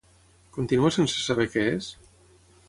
Continua sense saber què és?